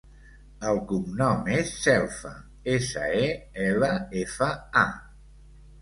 El cognom és Selfa: essa, e, ela, efa, a.